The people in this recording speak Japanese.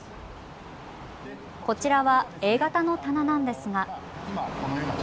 こちらはＡ型の棚なんですが。